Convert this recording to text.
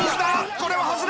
これは外れ！